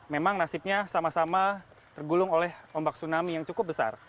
memang nasibnya sama sama tergulung oleh ombak tsunami yang cukup besar